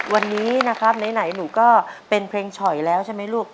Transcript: วันนี้นะครับไหนหนูก็เป็นเพลงฉ่อยแล้วใช่ไหมลูก